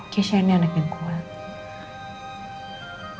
kisah ini anak yang kuat